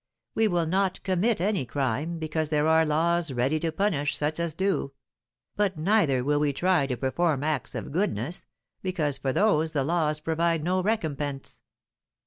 We will not commit any crime, because there are laws ready to punish such as do; but neither will we try to perform acts of goodness, because for those the laws provide no recompense."